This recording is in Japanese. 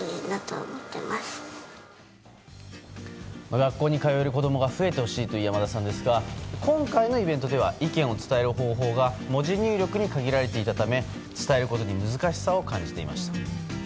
学校に通える子供が増えてほしいという山田さんですが今回のイベントでは意見を伝える方法が文字入力に限られていたため伝えることに難しさを感じていました。